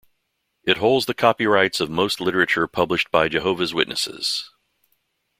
It holds the copyrights of most literature published by Jehovah's Witnesses.